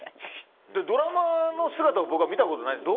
ドラマの姿を僕は見たことないんです。